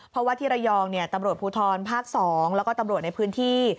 เพราะว่าที่ระยองตำรวจภูทรภาค๒แล้วก็ตำรวจในพื้นที่